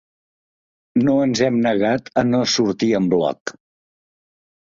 No ens hem negat a no sortir en bloc.